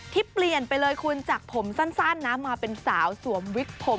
ที่เปลี่ยนไปเลยคุณจากผมสั้นนะมาเป็นสาวสวมวิกผม